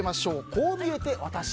こう見えてワタシ。